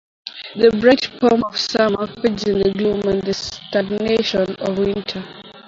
The bright pomp of summer fades into the gloom and stagnation of winter.